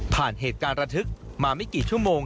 เหตุการณ์ระทึกมาไม่กี่ชั่วโมง